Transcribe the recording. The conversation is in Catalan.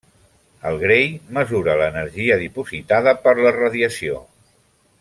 El gray mesura l'energia dipositada per la radiació.